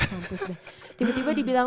kampus deh tiba tiba dibilang